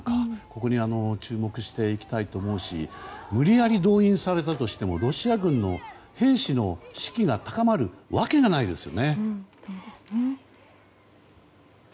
ここに注目していきたいと思うし無理やり動員されてもロシア軍の兵士の士気は高まりませんね。